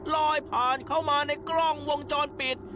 ลอยผ่านเข้ามาในกล้องวงจรปิด